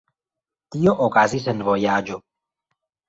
Tio okazis en vojaĝo.